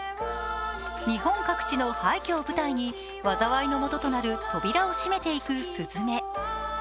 日本各地の廃虚を舞台に災いの元となる扉を閉めていく鈴芽。